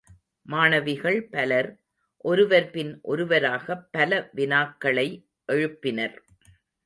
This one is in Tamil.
மாணவிகள் பலர், ஒருவர் பின் ஒருவராகப் பல வினாக்களை எழுப்பினர்.